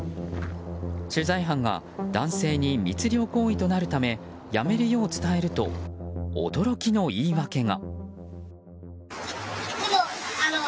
取材班が男性に密漁行為となるためやめるよう伝えると驚きの言い訳が。